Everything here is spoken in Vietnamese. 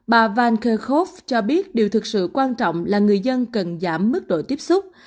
bà vankerv cho biết điều thực sự quan trọng là người dân cần giảm mức độ tiếp xúc